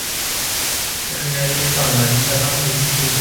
หนึ่งในลิสต์เหล่านั้นจะต้องมีชื่อ